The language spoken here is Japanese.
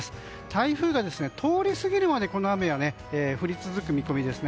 台風が通り過ぎるまでこの雨は降り続く見込みです。